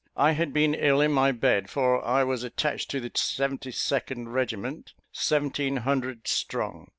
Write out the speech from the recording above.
I had been ill in my bed, for I was attached to the 72nd regiment, seventeen hundred strong.